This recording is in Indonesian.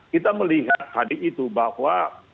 kita melihat tadi itu bahwa